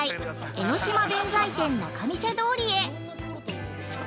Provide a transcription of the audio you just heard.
江の島弁財天仲見世通りへ。